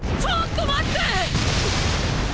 ちょっと待って！！